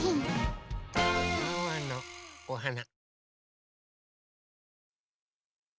ワンワンのおはな。